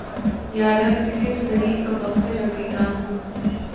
یارب! میں کس غریب کا بختِ رمیدہ ہوں!